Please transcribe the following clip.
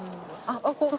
あっ。